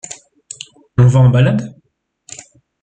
On va en balade ?